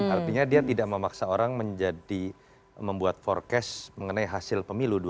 artinya dia tidak memaksa orang menjadi membuat forecast mengenai hasil pemilu dua ribu sembilan belas